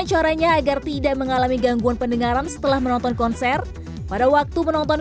caranya agar tidak mengalami gangguan pendengaran setelah menonton konser pada waktu menonton